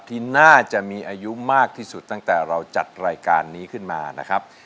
ที่น่าจะมีอายุมากที่สุดตั้งแต่เราจัดรายการนี้ขึ้นมานะครับ